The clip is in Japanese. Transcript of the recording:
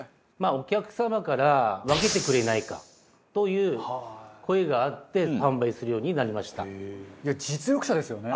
お客様から分けてくれないかという声があって販売するようになりました。